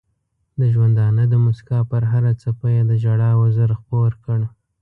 د ژوندانه د مسکا پر هره څپه یې د ژړا وزر خپور کړ.